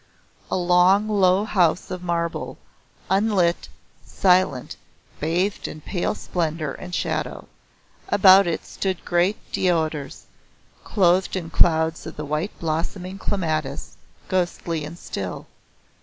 A long low house of marble, unlit, silent, bathed in pale splendour and shadow. About it stood great deodars, clothed in clouds of the white blossoming clematis, ghostly and still.